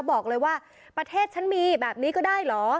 บอกเลยว่าประเทศฉันมีแบบนี้ก็ได้เหรอ